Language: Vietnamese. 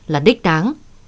là đích đáng